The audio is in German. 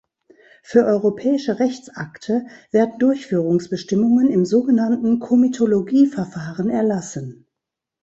Für europäische Rechtsakte werden Durchführungsbestimmungen im sogenannten Komitologie-Verfahren erlassen.